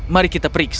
mari kita periksa